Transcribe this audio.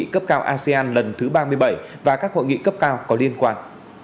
các hội nghị cấp cao asean lần thứ ba mươi bảy và các hội nghị cấp cao có liên quan